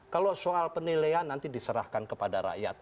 kalau soal penilaian nanti diserahkan kepada rakyat